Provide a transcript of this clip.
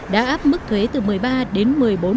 đã áp mức thuế từ một mươi ba đến một mươi bốn